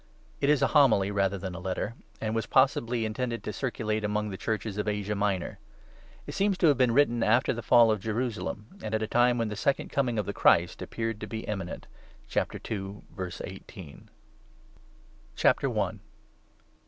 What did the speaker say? It is a Homily rather than a Letter, and was possibly intended to circulate among the Churches of Asia Minor. It seems to have been written after the fall of Jerusalem, and at a time when the Second Coming of the Christ appeared to be imminent (2. 18). FROM JOHN. I. I. — THE IMMORTAL LIFE.